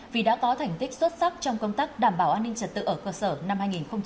vì đã có thành tích xuất sắc trong công tác đảm bảo an ninh trật tự ở cơ sở năm hai nghìn hai mươi ba